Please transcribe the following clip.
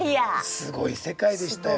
すごい世界でしたよ。